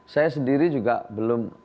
saya sendiri juga belum